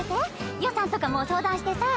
予算とかも相談してさぁ。